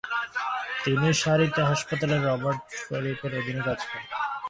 তিনি শারিতে হাসপাতালে Robert Froriep এর অধীনে কাজ করেন।